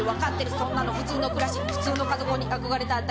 「そんなの普通の暮らし普通の家族に憧れただけ」